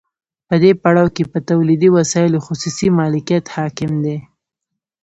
په دې پړاو کې په تولیدي وسایلو خصوصي مالکیت حاکم دی